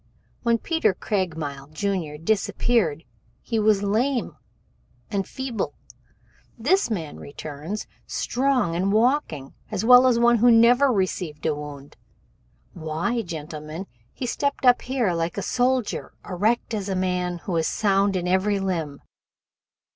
When Peter Craigmile, Jr., disappeared he was lame and feeble. This man returns, strong and walking as well as one who never received a wound. Why, gentlemen, he stepped up here like a soldier erect as a man who is sound in every limb.